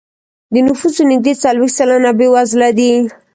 د نفوسو نږدې څلوېښت سلنه بېوزله دی.